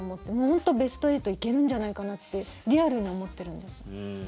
本当、ベスト８行けるんじゃないかなってリアルに思ってるんです。